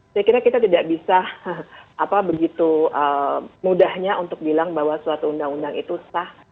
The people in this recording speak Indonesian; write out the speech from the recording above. saya kira kita tidak bisa begitu mudahnya untuk bilang bahwa suatu undang undang itu sah